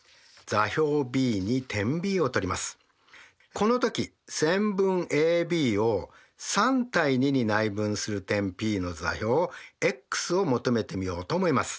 この時線分ＡＢを３：２に内分する点Ｐの座標ｘを求めてみようと思います。